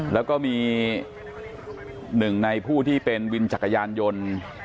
แล้วก็มีหนึ่งในผู้ที่เป็นวินจักรยานยนต์